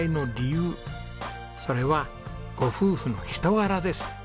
それはご夫婦の人柄です。